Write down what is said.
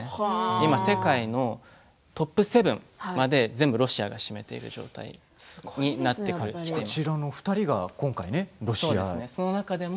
今世界のトップ７まで全部ロシアが占めている状態になっています。